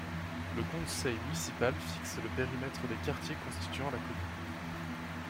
Le conseil municipal fixe le périmètre des quartiers constituant la commune.